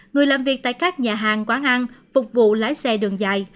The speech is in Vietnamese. người làm việc tại các nhà hàng quán ăn phục vụ lái xe đường dài